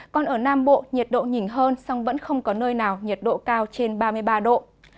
còn ở nam bộ nhiệt độ nhỉnh hơn song vẫn không có nơi nào nhiệt độ cao trên ba mươi ba độ